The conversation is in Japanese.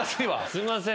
すいません